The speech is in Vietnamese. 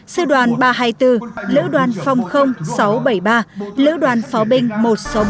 sư đoàn ba trăm hai mươi bốn lữ đoàn phong sáu trăm bảy mươi ba lữ đoàn phó binh một trăm sáu mươi bốn